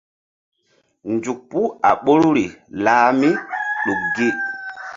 Nzuk puh a ɓoruri lah míɗuk gi.